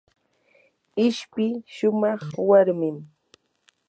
ishpi shumaq warmim.